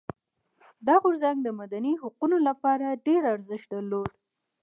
دا غورځنګ د مدني حقونو لپاره ډېر ارزښت درلود.